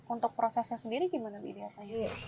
untuk prosesnya sendiri gimana bu biasanya